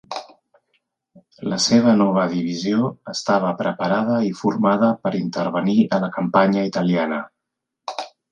La seva nova divisió estava preparada i formada per intervenir a la campanya italiana.